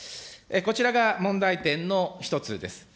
こちらが問題点の一つです。